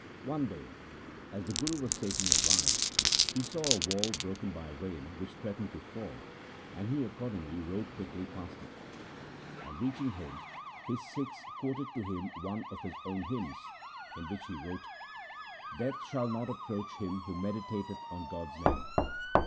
One day, as the Guru was taking a ride, he saw a wall broken by rain, which threatened to fall, and he accordingly rode quickly past it. On reaching home his Sikhs quoted to him one of his own hymns, in which he wrote :— Death shall not approach him who meditateth on God's name.